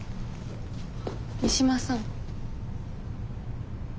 三島さん。